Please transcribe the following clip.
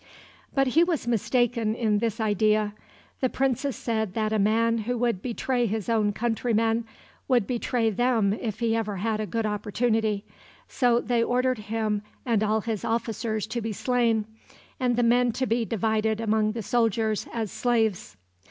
But he was mistaken in this idea. The princes said that a man who would betray his own countrymen would betray them if he ever had a good opportunity. So they ordered him and all his officers to be slain, and the men to be divided among the soldiers as slaves.